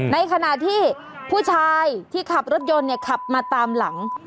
ในขณะที่ผู้ชายที่ขับรถยนต์ขับมาตามหลัง